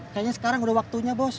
kayaknya sekarang udah waktunya bos